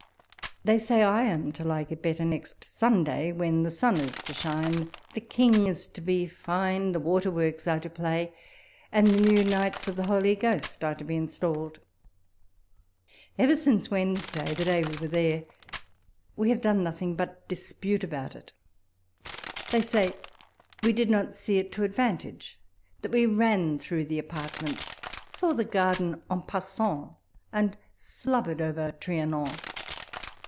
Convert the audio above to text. They say I am to like it better next Sunday ; when the*^ sun is to shine, the king is to be fine, the water works are to play, and the new knights of the Holy Ghost are to be installed ! Ever since Wednesday, the day we were there, we have done nothing but dispute about it. They say, we did not see it to advantage, that we ran through the apartments, saw the garden rn passani, and slobbered over Trianon.